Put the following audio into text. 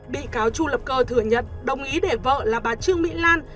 bị cáo chu lập cơ thừa nhận đồng ý để vợ là bà trương mỹ lan